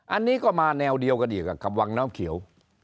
อันนี้ก็มาแนวเดียวกันอีกกับวังน้ำเขียว